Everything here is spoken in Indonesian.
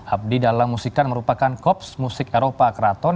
abdi dalam musikan merupakan kops musik eropa keraton